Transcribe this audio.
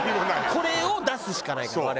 これを出すしかないから我々は。